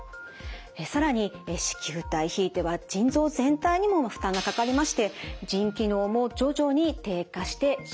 更に糸球体ひいては腎臓全体にも負担がかかりまして腎機能も徐々に低下してしまいます。